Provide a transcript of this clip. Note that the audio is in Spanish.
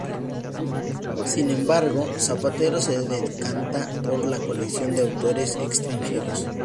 Sin embargo, Zapatero se decanta por la colección de autores extranjeros.